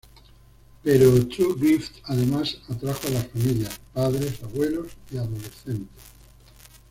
Pero "True Grit" además atrajo a las familias: padres, abuelos y adolescentes.